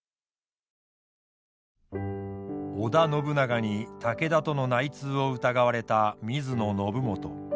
織田信長に武田との内通を疑われた水野信元。